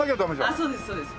あっそうですそうです。